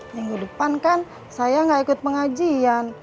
minggu depan kan saya nggak ikut pengajian